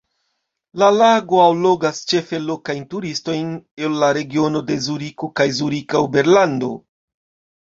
La lago allogas ĉefe lokajn turistojn el la regiono de Zuriko kaj Zurika Oberlando.